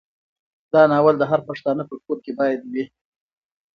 دا ناول د هر پښتانه په کور کې باید وي.